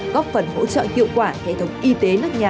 góp phần hỗ trợ hiệu quả hệ thống y tế nước nhà